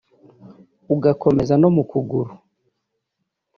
ugakomeza no mu kuguru